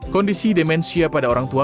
kondisi demensia pada orang tua